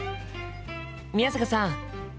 宮坂さん